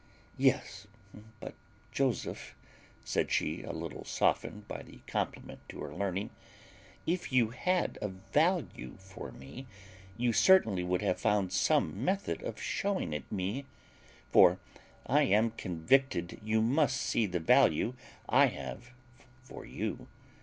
"Yes, but, Joseph," said she, a little softened by the compliment to her learning, "if you had a value for me, you certainly would have found some method of showing it me; for I am convicted you must see the value I have for you.